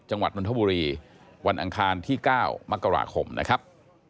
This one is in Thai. จังหวัดมณฑบุรีวันอังคารที่๙มกราคมนะครับ